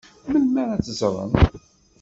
Melmi ad t-ẓṛen?